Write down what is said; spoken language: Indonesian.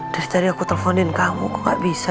dari tadi aku telponin kamu kok gak bisa